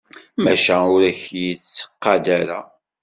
Maca ur ak-d-yettqad ara.